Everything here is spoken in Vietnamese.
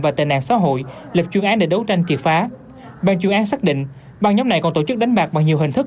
và tệ nạn xã hội lập chuyên án để đấu tranh triệt phá ban chuyên án xác định băng nhóm này còn tổ chức đánh bạc bằng nhiều hình thức